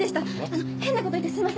あの変な事言ってすみません。